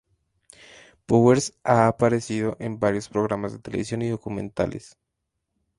Powers ha aparecido en varios programas de televisión y documentales.